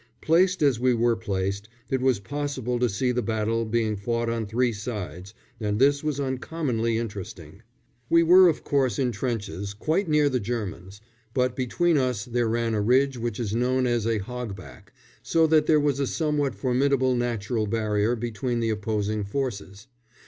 Placed as we were placed, it was possible to see the battle being fought on three sides, and this was uncommonly interesting. We were, of course, in trenches, quite near the Germans, but between us there ran a ridge which is known as a hogback, so that there was a somewhat formidable natural barrier between the opposing forces.